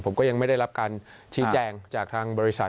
ผมก็ยังไม่ได้รับการชี้แจงจากทางบริษัท